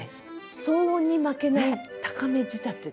「騒音に負けない高め仕立て」。